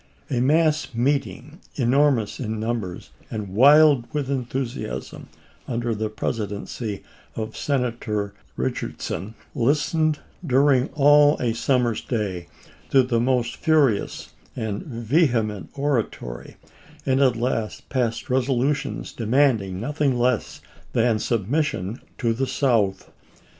A mass meeting, enormous in num bers and wild with enthusiasm, under the presi dency of Senator Richardson, listened during all a summer's day to the most furious and vehement oratory, and at last passed resolutions demanding nothing less than submission to the South.